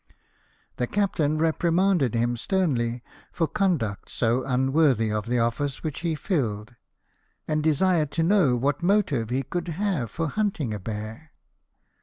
The captain reprimanded him sternly for conduct so unworthy of the office which he filled, and desired to know what motive he could have for hunting a bear.